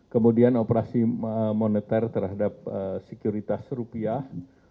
kemudian operasi moneter terhadap sekuritas rupiah